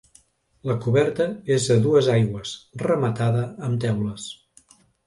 La coberta és a dues aigües, rematada amb teules.